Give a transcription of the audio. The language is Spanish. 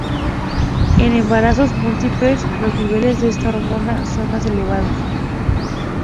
En embarazos múltiples los niveles de esta hormona son más elevados.